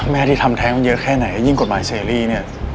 แม่ที่ทำแท้งเยอะแค่ไหนยิ่งกฎหมายเชอรี่เนี่ย